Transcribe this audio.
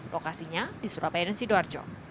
lokasinya di surabaya dan sidoarjo